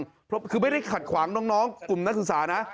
เพราะคือไม่ได้ขัดขวางน้องกลุ่มนักศึกษานะ